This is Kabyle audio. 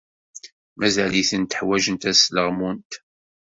Mazal-itent ḥwajent ad sleɣmunt.